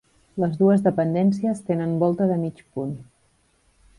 Les dues dependències tenen volta de mig punt.